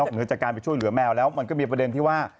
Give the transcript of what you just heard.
เหนือจากการปล่องช่วยเหลือแมวแล้วมันก็มีอันทิว่า